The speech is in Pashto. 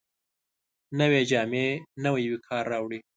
نوې جامې نوی وقار راوړي